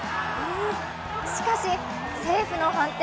しかしセーフの判定。